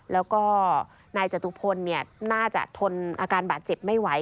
แล้วก็นายจตุพลน่าจะทนอาการบาดเจ็บไม่ไหว